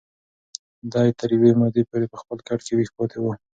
دی تر یوې مودې پورې په خپل کټ کې ویښ پاتې و.